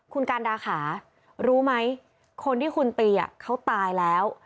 คุณการดาขารู้ไหมคนที่คุณตีเขาตายแล้ว